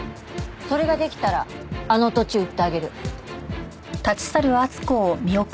それができたらあの土地売ってあげる。